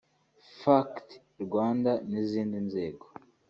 Fact Rwanda n’izindi nzego